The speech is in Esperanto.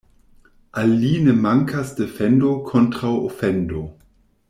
Al li ne mankas defendo kontraŭ ofendo.